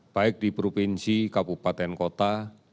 baik di provinsi kabupaten kota